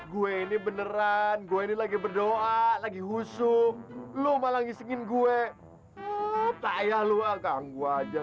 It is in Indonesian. gue ini beneran gue lagi berdoa lagi husum lu malah ngisikin gue kayak lu akan gua aja